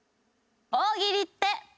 大喜利って。